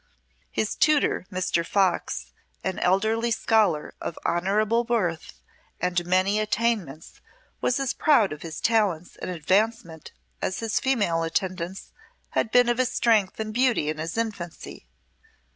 His tutor, Mr. Fox, an elderly scholar of honourable birth and many attainments, was as proud of his talents and advancement as his female attendants had been of his strength and beauty in his infancy.